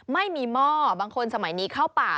หม้อบางคนสมัยนี้เข้าป่า